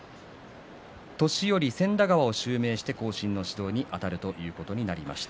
年寄千田川を襲名して後進の指導にあたることになりました。